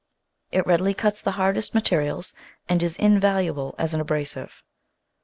It readily cuts the hardest materials, and is invaluable as an abrasive.